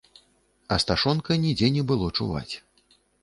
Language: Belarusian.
Асташонка нідзе не было чуваць.